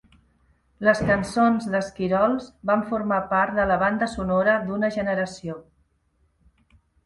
Les cançons d'Esquirols van formar part de la banda sonora d'una generació.